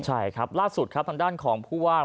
ใช่ครับล่าสุดครับทางด้านของผู้ว่า